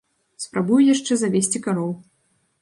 Спрабую яшчэ завесці кароў.